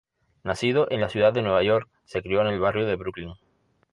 Nacido en la ciudad de Nueva York, se crio en el barrio de Brooklyn.